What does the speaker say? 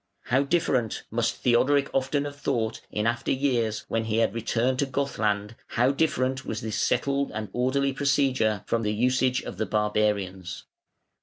How different, must Theodoric often have thought, in after years, when he had returned to Gothland, how different was this settled and orderly procedure from the usage of the barbarians.